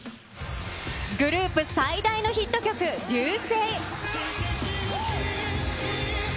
グループ最大のヒット曲、Ｒ．Ｙ．Ｕ．Ｓ．Ｅ．Ｉ．。